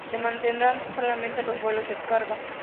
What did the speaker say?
Se mantendrán solamente los vuelos de carga.